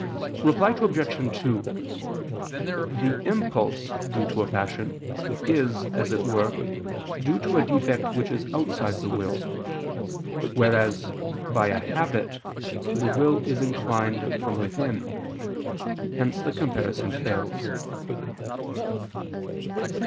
Reply Obj. 2: The impulse due to passion, is, as it were, due to a defect which is outside the will: whereas, by a habit, the will is inclined from within. Hence the comparison fails.